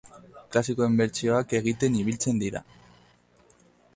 Klasikoen bertsioak egiten ibiltzen dira.